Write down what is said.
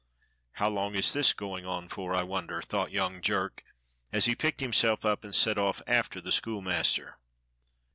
"How long is this going on for, I wonder?" thought young Jerk, as he picked himself up and set off after the schoolmaster.